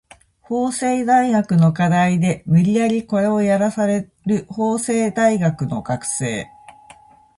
法政大学の課題で無理やりコレをやらされる法政大学の学生